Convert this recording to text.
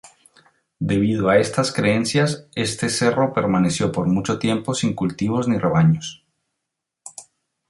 Debido a estas creencias, este cerro permaneció por mucho tiempo sin cultivos ni rebaños.